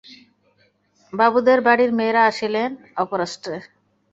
বাবুদের বাড়ির মেয়েরা আসিলেন অপরাষ্ট্রে।